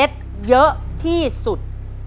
เมล็ดเยอะที่สุด